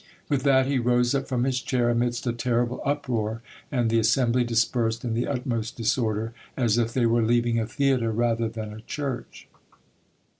With that he rose up from his chair amidst a terrible uproar, and the assembly dispersed in the utmost disorder, as if they were leaving a theatre rather than a church.